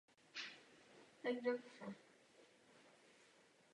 Jedno ze základních rozdělení užití je pro soukromý a veřejný sektor.